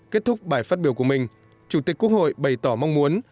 kết thúc bài phát biểu của mình chủ tịch quốc hội bày tỏ mong muốn